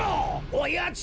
おやつ。